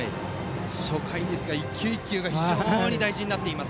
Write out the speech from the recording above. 初回ですが、１球１球が非常に大事になっています。